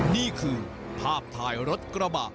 นี่คือภาพถ่ายรถกระบะ